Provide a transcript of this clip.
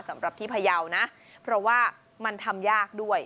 สำหรับที่พยาวนะเพราะว่ามันทำยากด้วย